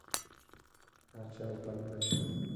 دا چوک ډک دی.